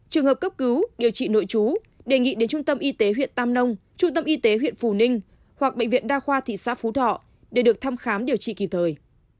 trường hợp cấp cứu điều trị nội chú đề nghị đến trung tâm y tế huyện tam nông trung tâm y tế huyện phù ninh hoặc bệnh viện đa khoa thị xã phú thọ để được thăm khám điều trị kịp thời